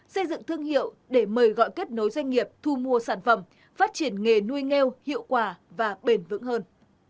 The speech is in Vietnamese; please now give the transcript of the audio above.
xây dựng thương hiệu để mời gọi kết nối doanh nghiệp thu mua sản phẩm phát triển nghề nuôi nghêu hiệu quả và bền vững hơn